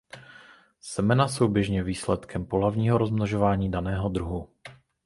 Semena jsou běžně výsledkem pohlavního rozmnožování daného druhu.